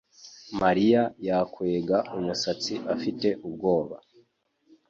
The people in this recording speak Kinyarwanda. Mariya yakwega umusatsi afite ubwoba